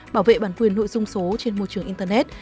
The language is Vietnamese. bảo vệ bản quyền nội dung số trên môi trường internet